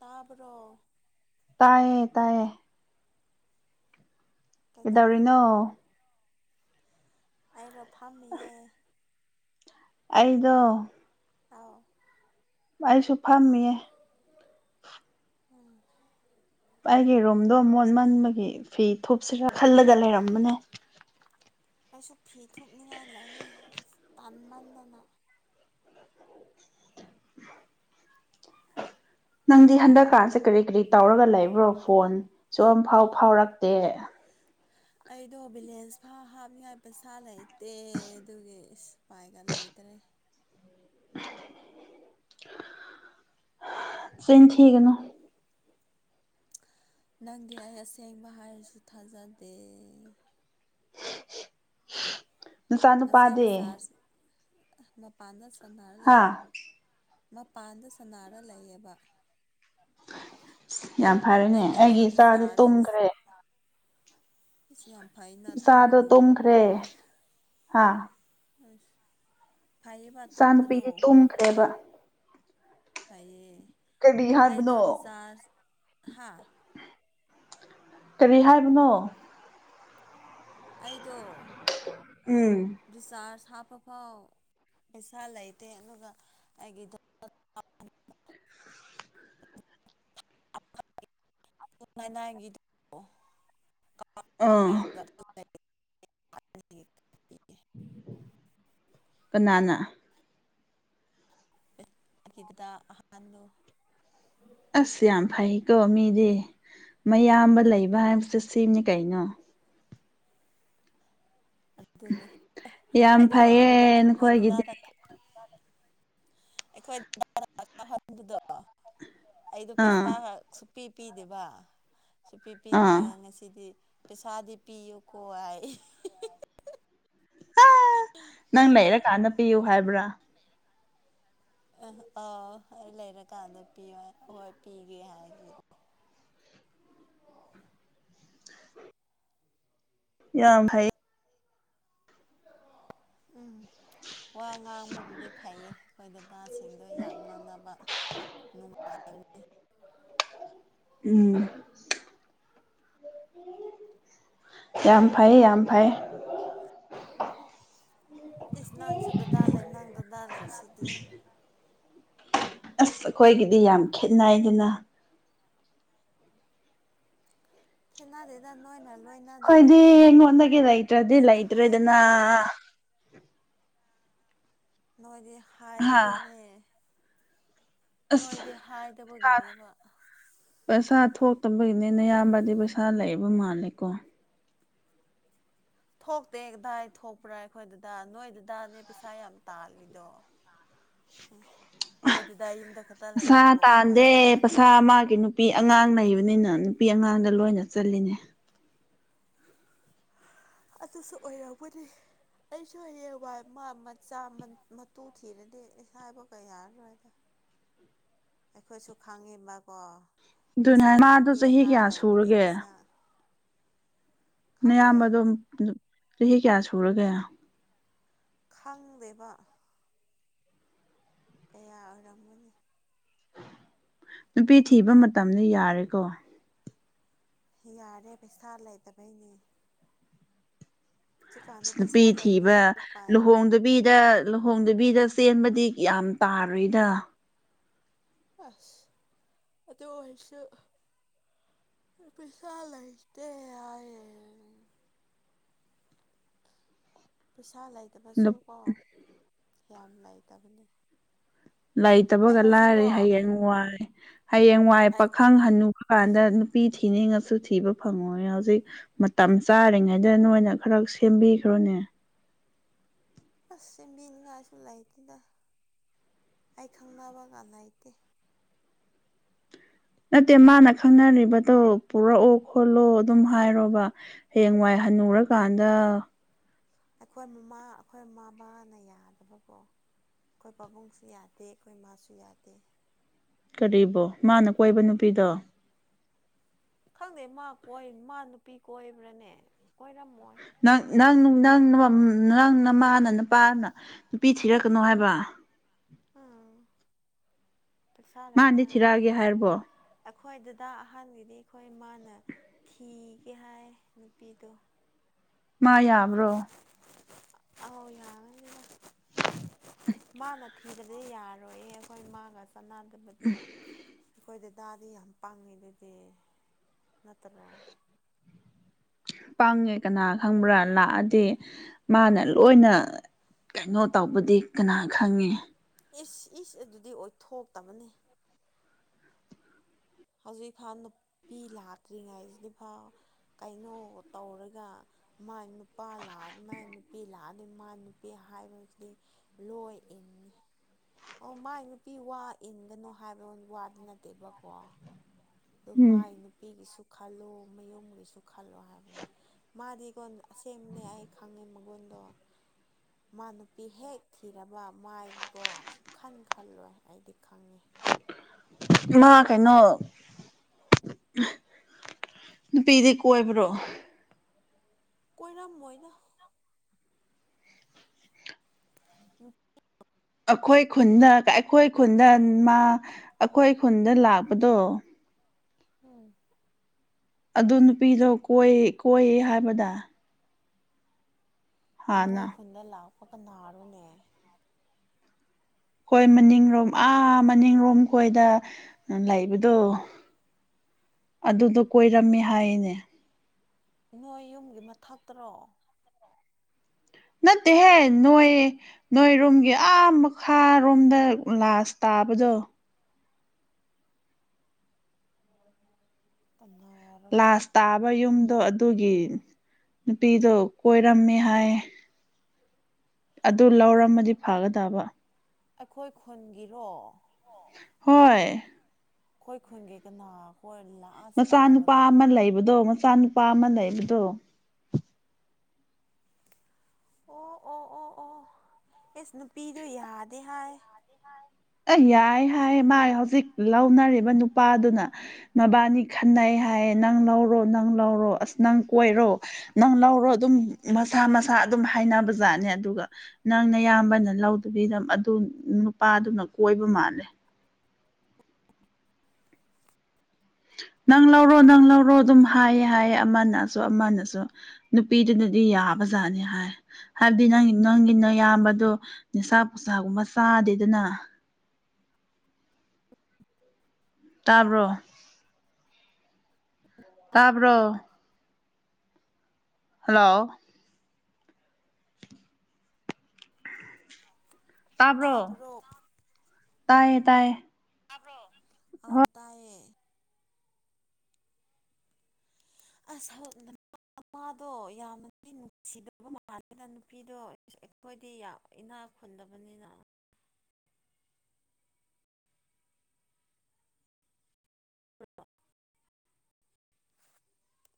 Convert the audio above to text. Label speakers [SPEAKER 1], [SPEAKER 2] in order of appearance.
[SPEAKER 1] ꯇꯥꯕꯔꯣ
[SPEAKER 2] ꯇꯥꯏꯌꯦ ꯇꯥꯏꯌꯦ ꯀꯩꯗꯧꯔꯤꯅꯣ
[SPEAKER 1] ꯀꯩꯇꯧꯋꯤꯅꯣ ꯑꯩꯔꯣ ꯐꯝꯃꯤꯌꯦ
[SPEAKER 2] ꯑꯩꯗꯣ
[SPEAKER 1] [unintelligible]
[SPEAKER 2] ꯑꯩꯁꯨ ꯐꯝꯃꯤꯌꯦ
[SPEAKER 1] [unintelligible]
[SPEAKER 2] ꯑꯩꯒꯤ ꯔꯨꯝꯗꯣ ꯃꯣꯠꯃꯟꯕꯒꯤ ꯐꯤ ꯊꯨꯞꯁꯤꯔꯥ ꯈꯜꯂꯒ ꯂꯩꯔꯝꯕꯅꯦ
[SPEAKER 1] ꯑꯩꯁꯨ ꯐꯤ ꯊꯨꯞꯅꯤꯡꯉꯥꯏ ꯂꯩꯌꯦ ꯇꯟꯃꯟꯗꯅ
[SPEAKER 2] ꯅꯪꯗꯤ ꯍꯟꯗꯛꯀꯥꯟꯁꯦ ꯀꯔꯤ ꯀꯔꯤ ꯇꯧꯔꯒ ꯂꯩꯕ꯭ꯔꯣ ꯐꯣꯟ ꯁꯨ ꯑꯝꯐꯥꯎ ꯐꯥꯎꯔꯛꯇꯦ
[SPEAKER 1] ꯑꯩꯗꯣ ꯕꯦꯂꯦꯟꯁ ꯐꯥꯎ ꯍꯥꯞꯅꯤꯡꯉꯥꯏ ꯄꯩꯁꯥ ꯂꯩꯇꯦ ꯑꯗꯨꯒꯤ ꯏꯁ ꯄꯥꯏꯒ ꯂꯩꯇ꯭ꯔꯦ
[SPEAKER 2] [unintelligible] ꯆꯤꯟ ꯊꯤꯒꯅꯨ
[SPEAKER 1] ꯅꯪꯗꯤ ꯑꯩ ꯑꯁꯦꯡꯕ ꯍꯥꯏꯔꯁꯨ ꯊꯥꯖꯗꯦ
[SPEAKER 2] ꯅꯨꯆꯥ ꯅꯨꯨꯄꯥꯗꯤ
[SPEAKER 1] ꯑ ꯃꯄꯥꯟꯗ ꯁꯥꯅꯔ
[SPEAKER 2] ꯍꯥ
[SPEAKER 1] ꯂꯩ ꯃꯄꯥꯟꯗ ꯁꯥꯅꯔ ꯂꯩꯌꯦꯕ
[SPEAKER 2] ꯌꯥꯝ ꯐꯔꯦꯅꯦ
[SPEAKER 1] ꯑꯩꯒꯤꯗꯣ
[SPEAKER 2] ꯑꯩꯒꯤ ꯏꯆꯥꯗꯤ
[SPEAKER 1] ꯔꯤꯆꯥꯔꯖ ꯔꯤꯁ
[SPEAKER 2] ꯇꯨꯝꯈ꯭ꯔꯦ
[SPEAKER 1] ꯏꯁ ꯌꯥꯝ ꯐꯩ
[SPEAKER 2] ꯏꯆꯥꯗꯣ ꯇꯨꯝꯈ꯭ꯔꯦ ꯍꯥ
[SPEAKER 1] ꯑꯁ ꯐꯩꯌꯦꯕ
[SPEAKER 2] ꯏꯆꯥ
[SPEAKER 1] ꯇꯨꯝꯕꯗꯣ
[SPEAKER 2] ꯅꯨꯨꯄꯤꯗꯤ ꯇꯨꯝꯈ꯭ꯔꯦꯕ
[SPEAKER 1] ꯐꯩꯌꯦ
[SPEAKER 2] ꯀꯔꯤ
[SPEAKER 1] ꯑꯩꯗꯣ
[SPEAKER 2] ꯍꯥꯏꯕꯅꯣ
[SPEAKER 1] ꯔꯤꯆꯥꯔꯖ ꯍꯥ
[SPEAKER 2] ꯀꯔꯤ ꯍꯥꯏꯕꯅꯣ
[SPEAKER 1] ꯑꯩꯗꯣ
[SPEAKER 2] ꯎꯝ
[SPEAKER 1] ꯔꯤꯆꯥꯔꯖ ꯍꯥꯞꯄꯐꯥꯎ ꯄꯩꯁꯥ ꯂꯩꯇꯦ ꯑꯗꯨꯒ ꯑꯩꯒꯤꯗꯣ
[SPEAKER 2] ꯑꯥ
[SPEAKER 1] [unintelligible] [unintelligible]
[SPEAKER 2] ꯀꯅꯥꯅ
[SPEAKER 1] [unintelligible]
[SPEAKER 2] ꯑꯁ ꯌꯥꯝ ꯐꯩꯀꯣ ꯃꯤꯗꯤ ꯃꯌꯥꯝꯕ ꯂꯩꯕ ꯍꯥꯏꯕꯁꯦ ꯁꯤꯅꯤ ꯀꯩꯅꯣ
[SPEAKER 1] ꯑꯗꯨꯅꯦ ꯑꯦ
[SPEAKER 2] ꯌꯥꯝ
[SPEAKER 1] ꯑꯩꯗꯣ
[SPEAKER 2] ꯐꯩꯌꯦ
[SPEAKER 1] ꯗꯥꯗꯥ ꯑꯩꯈꯣꯏ
[SPEAKER 2] ꯅꯈꯣꯏꯒꯤꯗꯤ
[SPEAKER 1] ꯗꯥꯗꯥꯗ
[SPEAKER 2] ꯑꯥ
[SPEAKER 1] [unintelligible] ꯄꯤ ꯄꯤꯗꯦꯕ ꯁꯨꯄꯤ
[SPEAKER 2] ꯑꯥ
[SPEAKER 1] [unintelligible] ꯉꯁꯤꯗꯤ ꯄꯩꯁꯥꯗꯤ ꯄꯤꯌꯣꯀꯣ ꯍꯥꯏꯌꯦ [unintelligible]
[SPEAKER 2] [unintelligible] ꯅꯪ ꯂꯩꯔ ꯀꯥꯟꯗ ꯄꯤꯌꯨ ꯍꯥꯏꯕ꯭ꯔꯥ
[SPEAKER 1] ꯑꯦ ꯑ ꯑꯩ ꯂꯩꯔꯀꯥꯟꯗ ꯄꯤꯌꯣ [unintelligible] ꯍꯣꯏ ꯄꯤꯒꯦ ꯍꯥꯏ [unintelligible] [unintelligible]
[SPEAKER 2] ꯌꯥꯝ [unintelligible]
[SPEAKER 1] [unintelligible] ꯎꯝ ꯋꯥ ꯉꯥꯡꯕꯕꯨꯗꯤ ꯐꯩꯌꯦ ꯑꯩꯈꯣꯏ ꯗꯗꯥꯁꯤꯡꯗꯣ ꯌꯥꯝ ꯉꯥꯡꯅꯕ ꯅꯨꯡꯉꯥꯏ
[SPEAKER 2] ꯎꯝ [unintelligible] ꯌꯥꯝ ꯐꯩꯌ ꯌꯥꯝ ꯐꯩꯌ
[SPEAKER 1] ꯏꯁꯁ ꯅꯪꯁꯨ ꯗꯥꯥꯗꯥ ꯂꯩ ꯅꯪ ꯗꯥꯗꯥ ꯂꯩ ꯁꯤꯗꯤ
[SPEAKER 2] ꯑꯁ ꯑꯩꯈꯣꯏꯒꯤꯗꯤ ꯌꯥꯝ ꯈꯦꯠꯅꯩꯗꯅ
[SPEAKER 1] ꯈꯦꯠꯅꯗꯦꯗ ꯅꯣꯏꯅ [unintelligible]
[SPEAKER 2] ꯑꯩꯈꯣꯌꯗꯤ ꯏꯉꯣꯟꯗꯒꯤ ꯂꯩꯇ꯭ꯔꯥꯗꯤ
[SPEAKER 1] ꯅꯣꯏꯅ ꯍꯥꯏ
[SPEAKER 2] ꯂꯩꯇ꯭ꯔꯦꯗꯅ
[SPEAKER 1] ꯅꯣꯏꯗꯤ
[SPEAKER 2] ꯍꯥ
[SPEAKER 1] ꯍꯥꯏꯗꯕꯩꯅꯦ
[SPEAKER 2] ꯑꯁ
[SPEAKER 1] ꯅꯣꯏꯗꯤ ꯍꯥꯏꯗꯕꯒꯤꯅꯦꯕ
[SPEAKER 2] ꯄꯩꯁꯥ ꯊꯣꯛꯇꯕꯩꯅꯦ ꯅꯌꯥꯝꯕꯗꯤ ꯄꯩꯁꯥ ꯂꯩꯕ ꯃꯥꯜꯂꯦꯀꯣ
[SPEAKER 1] ꯊꯣꯛꯇꯦ ꯀꯥꯗꯥꯏ ꯊꯣꯛꯄ꯭ꯔꯥ ꯑꯩꯈꯣꯏ ꯗꯥꯗꯥ ꯅꯣꯏ ꯗꯥꯗꯥꯅꯦ ꯄꯩꯁꯥ ꯌꯥꯝ ꯇꯥꯜꯂꯤꯗꯣ [unintelligible] ꯑꯩꯈꯣꯏ ꯗꯥꯥꯗꯥ ꯌꯨꯝꯗ ꯈꯛꯇ
[SPEAKER 2] ꯃꯁꯥ
[SPEAKER 1] ꯂꯩꯌꯕꯕꯨ ꯃꯥꯏ
[SPEAKER 2] ꯇꯥꯟꯗꯦ
[SPEAKER 1] ꯄꯩꯁꯥ ꯂꯩꯌ
[SPEAKER 2] ꯃꯥꯒꯤ ꯅꯨꯄꯤ ꯑꯉꯥꯡ ꯂꯩꯩꯕꯅꯤꯅ ꯅꯨꯄꯤ ꯑꯉꯥꯡꯗ ꯂꯣꯏꯅ ꯆꯜꯂꯤꯅꯦ
[SPEAKER 1] [unintelligible] ꯑꯗꯨꯁꯨ ꯑꯣꯏꯔꯝꯒꯅꯤ ꯑꯩꯁꯨ ꯍꯌꯦꯡ ꯋꯥꯏ ꯃꯥ ꯃꯆꯥ ꯃꯇꯨ ꯊꯤꯔꯗꯤ ꯍꯥꯏꯕꯒ ꯌꯥꯔꯔꯣꯏꯗ ꯑꯩꯈꯣꯏꯁꯨ ꯈꯪꯉꯤ ꯃꯥꯀꯣ ꯄꯩꯁꯥ
[SPEAKER 2] ꯑꯗꯨꯅ ꯃꯥꯗꯣ
[SPEAKER 1] ꯅꯨꯄꯤ
[SPEAKER 2] ꯆꯍꯤ
[SPEAKER 1] ꯑꯉꯥꯡ
[SPEAKER 2] ꯀꯌꯥ
[SPEAKER 1] ꯂꯩꯕꯗꯤ
[SPEAKER 2] ꯁꯨꯔꯒꯦ
[SPEAKER 1] ꯄꯩꯁꯥ ꯈꯪꯗꯦ
[SPEAKER 2] ꯅꯌꯥꯝꯕꯗꯣ ꯅꯨ ꯆꯍꯤ ꯀꯌꯥ ꯁꯨꯔꯒꯦ
[SPEAKER 1] ꯈꯪꯗꯦꯕ ꯀꯌꯥ ꯑꯣꯏꯔꯝꯒꯅꯤ
[SPEAKER 2] ꯅꯨꯄꯤ ꯊꯤꯕ ꯃꯇꯝꯅꯤ ꯌꯥꯔꯦꯀꯣ
[SPEAKER 1] ꯌꯥꯔꯦ ꯄꯩꯁꯥ ꯂꯩꯇꯕꯩꯅꯦ ꯍꯧꯖꯤꯛꯀꯥꯟꯗꯤ ꯄꯩꯁꯥ
[SPEAKER 2] ꯅꯨꯄꯤ ꯊꯤꯕ
[SPEAKER 1] ꯂꯩꯇ꯭ꯔꯗꯤ ꯎꯄꯥꯏ
[SPEAKER 2] ꯂꯨꯍꯣꯡꯗꯕꯤꯗ ꯂꯨꯍꯣꯡꯗꯕꯤꯗ ꯆꯦꯟꯕꯗꯤ ꯌꯥꯝ ꯇꯥꯔꯤꯗ
[SPEAKER 1] ꯑꯁ ꯑꯗꯨ ꯑꯣꯏꯔꯁꯨ ꯄꯩꯁꯥ ꯂꯩꯇꯦ ꯍꯥꯏꯌꯦ ꯄꯩꯁꯥ ꯂꯩꯇꯕꯁꯨ ꯀꯣ ꯌꯥꯝ ꯂꯩꯇꯕꯅꯤ ꯑꯩ
[SPEAKER 2] ꯂꯩꯇꯕꯒ
[SPEAKER 1] ꯍꯧꯖꯤꯛꯀꯣ
[SPEAKER 2] ꯂꯥꯏꯔꯦ ꯍꯌꯦꯡ ꯋꯥꯏ ꯍꯌꯦꯡ ꯋꯥꯏ
[SPEAKER 1] ꯑꯩ
[SPEAKER 2] ꯄꯥꯈꯪ ꯍꯅꯨ ꯀꯥꯟꯗ ꯅꯨꯄꯤ ꯊꯤꯅꯤꯡꯉꯁꯨ ꯊꯤꯕ ꯐꯪꯉꯣ ꯍꯧꯖꯤꯛ ꯃꯇꯝ ꯆꯥꯔꯤꯉꯩꯗ ꯅꯣꯏꯅ ꯈꯔ ꯁꯦꯝꯕꯤꯈ꯭ꯔꯣꯅꯦ
[SPEAKER 1] ꯑꯁ ꯁꯦꯝꯕꯤꯅꯤꯡꯉꯥꯏꯁꯨ ꯂꯩꯇꯦꯗ ꯑꯩ ꯈꯪꯅꯕꯒ ꯂꯩꯇꯦ
[SPEAKER 2] ꯅꯠꯇꯦ ꯃꯥꯅ ꯈꯪꯅꯔꯤꯕꯗꯣ ꯄꯨꯔꯛꯑꯣ ꯈꯣꯠꯂꯣ ꯑꯗꯨꯝ ꯍꯥꯏꯔꯣꯕ ꯍꯌꯦꯡꯋꯥꯏ ꯍꯟꯅꯨꯔꯀꯥꯟꯗ
[SPEAKER 1] ꯑꯩꯈꯣꯏ ꯃꯃꯥ ꯑꯩꯈꯣꯏ ꯃꯃꯥꯕꯥꯅ ꯌꯥꯗꯕꯀꯣ ꯑꯩꯈꯣꯏ ꯄꯥꯕꯨꯡꯁꯨ ꯌꯥꯗꯦ ꯑꯩꯈꯣꯏ ꯃꯥꯁꯨ ꯌꯥꯗꯦ
[SPEAKER 2] ꯀꯔꯤꯕꯣ ꯃꯥꯅ ꯀꯣꯏꯕ ꯅꯨꯄꯤꯗꯣ
[SPEAKER 1] ꯈꯪꯗꯦ ꯃꯥ ꯀꯣꯏ ꯃꯥ ꯅꯨꯄꯤ ꯀꯣꯏꯕ꯭ꯔꯥꯅꯦ ꯀꯣꯏꯔꯝꯃꯣꯏ
[SPEAKER 2] ꯅꯪ ꯅꯪ ꯅꯪ ꯅꯪ ꯅꯃꯥꯅ ꯅꯨꯄꯥꯅ ꯅꯨꯄꯤ ꯊꯤꯔꯛꯀꯅꯣ ꯍꯥꯏꯕ
[SPEAKER 1] ꯎꯝ ꯄꯩꯁꯥ ꯂꯩꯇꯦ
[SPEAKER 2] ꯃꯥꯅꯗꯤ
[SPEAKER 1] ꯍꯥꯏ
[SPEAKER 2] ꯊꯤꯔꯛꯑꯒꯦ ꯍꯥꯏꯔꯕꯣ
[SPEAKER 1] ꯑꯩꯈꯣꯏ ꯗꯥꯗꯥ ꯑꯍꯥꯟꯕꯒꯤꯗꯤ ꯑꯩꯈꯣꯏ ꯃꯥꯅ ꯊꯤꯒꯦ ꯍꯥꯏ ꯅꯨꯄꯤꯗꯣ
[SPEAKER 2] ꯃꯥ ꯌꯥꯕ꯭ꯔꯣ
[SPEAKER 1] ꯑꯧ ꯌꯥꯒꯅꯤꯗ ꯃꯥꯅ ꯊꯤꯕꯗꯤ ꯌꯥꯔꯣꯏꯌꯦ ꯑꯩꯈꯣꯏ ꯃꯥꯒ ꯆꯥꯟꯅꯗꯕꯗꯤ ꯑꯩꯈꯣꯏ ꯗꯥꯗꯥꯗꯤ ꯌꯥꯝ ꯄꯡꯉꯤꯗꯨꯗꯤ ꯅꯠꯇ꯭ꯔꯣ
[SPEAKER 2] ꯄꯡꯉꯦ ꯀꯅꯥ ꯈꯪꯕ꯭ꯔꯥ ꯂꯥꯛꯑꯗꯤ ꯃꯥꯅ ꯂꯣꯏꯅ ꯀꯩꯅꯣ ꯇꯧꯕꯗꯤ ꯀꯅꯥ ꯈꯪꯉꯤ
[SPEAKER 1] ꯏꯁ ꯏꯁ ꯑꯗꯨꯗꯤ ꯑꯣꯏꯊꯣꯛꯇꯕꯅꯦ ꯍꯧꯖꯤꯛꯐꯥꯎ ꯅꯨꯄꯤ ꯂꯥꯛꯇ꯭ꯔꯤꯉꯥꯏꯁꯤꯐꯥꯎ ꯀꯩꯅꯣ ꯇꯧꯔꯒ ꯃꯥꯏ ꯅꯨꯄꯥ ꯂꯥꯛꯑ ꯃꯥꯏ ꯅꯨꯄꯤ ꯂꯥꯛꯑꯗꯤ ꯃꯥꯏ ꯅꯨꯄꯤ ꯍꯥꯏꯕꯁꯤꯗꯤ ꯂꯣꯏ ꯏꯟꯅꯤ ꯑꯣ ꯃꯥꯏ ꯅꯨꯄꯤ ꯋꯥ ꯏꯟꯒꯅꯨ ꯍꯥꯏꯕ ꯋꯥꯗꯤ ꯅꯠꯇꯦꯕꯀꯣ ꯑꯗꯨ
[SPEAKER 2] ꯎꯝ
[SPEAKER 1] ꯃꯥꯏ ꯅꯨꯄꯤꯒꯤꯁꯨ ꯈꯜꯂꯣ ꯃꯌꯨꯝꯒꯤꯁꯨ ꯈꯜꯂꯣ ꯍꯥꯏꯕꯅꯤ ꯃꯥꯗꯤꯀꯣ ꯑꯁꯦꯡꯕꯅꯦ ꯑꯩ ꯈꯪꯉꯦ ꯃꯒꯨꯟꯗꯣ ꯃꯥ ꯅꯨꯄꯤ ꯍꯦꯛ ꯊꯤꯔꯕ ꯃꯥꯏ ꯒꯣ ꯈꯟ ꯈꯜꯂꯣꯏ ꯑꯩꯗꯤ ꯈꯪꯉꯦ
[SPEAKER 2] ꯃꯥ ꯀꯩꯅꯣ ꯅꯨꯄꯤꯗꯤ ꯀꯣꯏꯕ꯭ꯔꯣ
[SPEAKER 1] ꯀꯣꯏꯔꯝꯃꯣꯏꯗ ꯎ [unintelligible]
[SPEAKER 2] ꯑꯩꯈꯣꯏ ꯈꯨꯟꯗ ꯑꯩꯈꯣꯏ ꯈꯨꯟꯗ ꯃꯥ ꯑꯩꯈꯣꯏ ꯈꯨꯟꯗ ꯂꯥꯛꯄꯗꯣ
[SPEAKER 1] ꯎꯝ
[SPEAKER 2] ꯑꯗꯨ ꯅꯨꯄꯤꯗꯣ ꯀꯣꯏ ꯀꯣꯏꯌꯦ ꯍꯥꯏꯕꯗ ꯍꯥꯟꯅ
[SPEAKER 1] ꯅꯣꯏ ꯈꯨꯟꯗ ꯂꯥꯛꯄꯒ ꯅꯥꯔꯣꯅꯦ
[SPEAKER 2] ꯍꯣꯏ ꯃꯅꯤꯡꯔꯣꯝ ꯑꯥ ꯃꯅꯤꯡꯔꯣꯝ ꯈꯣꯏꯗ ꯎꯝ ꯂꯩꯕꯗꯣ ꯑꯗꯨꯗꯣ ꯀꯣꯏꯔꯝꯃꯦ ꯍꯥꯏꯌꯦꯅꯦ
[SPEAKER 1] ꯅꯣꯏ ꯌꯨꯝꯒꯤ ꯃꯊꯛꯇꯔꯣ
[SPEAKER 2] ꯅꯠꯇꯦꯍꯦ ꯅꯣꯏ ꯅꯣꯏꯔꯣꯝꯒꯤ ꯑꯥ ꯃꯈꯥꯔꯣꯝꯗ ꯂꯥꯁ ꯇꯥꯕꯗꯣ
[SPEAKER 1] ꯀꯅꯥꯔ
[SPEAKER 2] ꯂꯥꯁ ꯇꯥꯕ ꯌꯨꯝꯗꯣ ꯑꯗꯨꯒꯤ ꯅꯨꯄꯤꯗꯣ ꯀꯣꯏꯔꯝꯃꯦ ꯍꯥꯏ ꯑꯗꯨ ꯂꯧꯔꯝꯃꯗꯤ ꯐꯒꯗꯕ
[SPEAKER 1] ꯑꯩꯈꯣꯏ ꯈꯨꯟꯒꯤꯔꯣ
[SPEAKER 2] ꯍꯣꯏ
[SPEAKER 1] ꯑꯩꯈꯣꯏ ꯈꯨꯟꯒꯤ ꯀꯅꯥ ꯈꯣꯏ ꯂꯥꯛ
[SPEAKER 2] ꯃꯆꯥ ꯅꯨꯨꯄꯥ ꯑꯃ ꯂꯩꯕꯗꯣ ꯃꯆꯥ ꯅꯨꯨꯄꯥ ꯑꯃ ꯂꯩꯕꯗꯣ
[SPEAKER 1] ꯑꯣ ꯑꯣ ꯑꯣ ꯑꯣ ꯑꯦꯁ ꯅꯨꯄꯤꯗꯨ ꯌꯥꯗꯦ ꯍꯥꯏ
[SPEAKER 2] ꯑꯦ ꯌꯥꯏ ꯍꯥꯏ ꯃꯥꯥꯏ ꯍꯧꯖꯤꯛ ꯂꯧꯅꯔꯤꯕ ꯅꯨꯄꯥꯗꯨꯅ ꯃꯕꯥꯅꯤ ꯈꯟꯅꯩ ꯍꯥꯏꯌꯦ ꯅꯪ ꯂꯧꯔꯣ ꯅꯪ ꯂꯧꯔꯣ ꯑꯁ ꯅꯪ ꯀꯣꯏꯔꯣ ꯅꯪ ꯂꯧꯔꯣ ꯑꯗꯨꯝ ꯃꯁꯥ ꯃꯁꯥ ꯑꯗꯨꯝ ꯍꯥꯏꯅꯕ ꯖꯥꯠꯅꯦ ꯑꯗꯨꯒ ꯅꯪ ꯅꯌꯥꯝꯕꯅ ꯂꯧꯗꯕꯤꯗ ꯑꯗꯨ ꯅꯨꯄꯥꯗꯨꯅ ꯀꯣꯏꯕ ꯃꯥꯜꯂꯦ ꯅꯪ ꯂꯧꯔꯣ ꯅꯪ ꯂꯧꯔꯣ ꯑꯗꯨꯝ ꯍꯥꯏꯌꯦ ꯍꯥꯏꯌꯦ ꯑꯃꯅꯁꯨ ꯑꯃꯅꯁꯨ ꯅꯨꯄꯤꯗꯨꯅꯗꯤ ꯌꯥꯕꯖꯥꯠꯅꯤ ꯍꯥꯏ ꯍꯥꯏꯕꯗꯤ ꯅꯪ ꯅꯪꯒꯤ ꯅꯌꯥꯝꯕꯗꯣ ꯅꯤꯁꯥ ꯄꯨꯁꯥꯒꯨꯝꯕ ꯆꯥꯗꯦꯗꯅ ꯇꯥꯕ꯭ꯔꯣ ꯇꯥꯕ꯭ꯔꯣ ꯍꯜꯂꯣ
[SPEAKER 1] ꯂꯐ [unintelligible]
[SPEAKER 2] ꯇꯥꯕ꯭ꯔꯣ ꯇꯥꯏꯌꯦ ꯇꯥꯢꯌꯦ
[SPEAKER 1] ꯇꯥꯕ꯭ꯔꯣ ꯑꯥꯎ ꯇꯥꯏꯌꯦ ꯑꯁ [unintelligible] ꯑꯃꯗꯣ ꯌꯥꯝꯅꯗꯤ ꯅꯨꯡꯁꯤꯗꯕ ꯃꯜꯂꯤꯗ ꯅꯨꯄꯤꯗꯣ ꯑꯩꯈꯣꯏꯗꯤ ꯌꯥꯝ ꯏꯅꯥꯛ ꯈꯨꯟꯗꯕꯅꯤꯅ